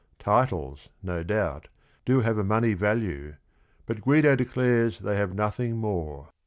Titles, no doubt, do have a money value, but Guido declares they have nothing more.